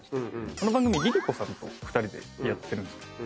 その番組ＬｉＬｉＣｏさんと２人でやってるんです。